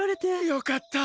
よかった。